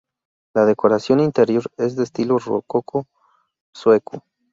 La decoración interior es de estilo rococó sueco.